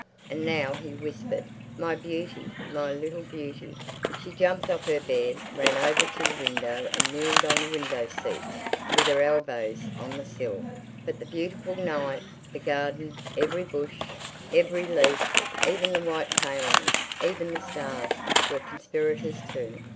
And now he whispered, "My beauty, my little beauty!" She jumped off her bed, ran over to the window and kneeled on the window seat, with her elbows on the sill. But the beautiful night, the garden, every bush, every leaf, even the white palings, even the stars, were conspirators too.